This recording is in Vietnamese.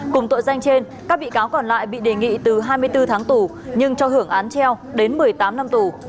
cùng tội danh trên các bị cáo còn lại bị đề nghị từ hai mươi bốn tháng tù nhưng cho hưởng án treo đến một mươi tám năm tù